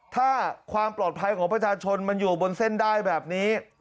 ถ้าความปลอดภัยของประชาชนมันอยู่บนเส้นได้แบบนี้